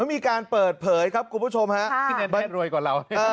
มีการเปิดเผยครับคุณผู้ชมฮะ